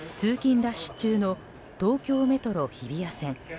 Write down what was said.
ラッシュ中の東京メトロ日比谷線。